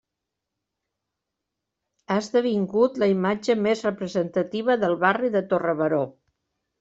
Ha esdevingut la imatge més representativa del barri de Torre Baró.